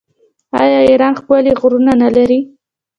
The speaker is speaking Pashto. آیا ایران ښکلي غرونه نلري؟